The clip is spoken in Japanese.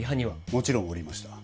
もちろんおりました。